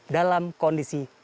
dalam kondisi yang lebih mahal